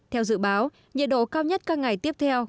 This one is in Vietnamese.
theo dự báo nhiệt độ cao nhất các ngày tiếp theo